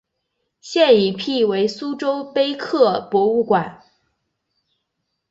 现已辟为苏州碑刻博物馆。